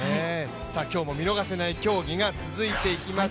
今日も見逃せない競技が続いていきます。